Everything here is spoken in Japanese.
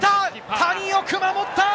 谷、よく守った！